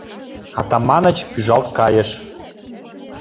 Атаманыч пӱжалт кайыш.